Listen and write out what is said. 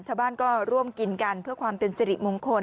ชาวบ้านก็ร่วมกินกันเพื่อความเป็นสิริมงคล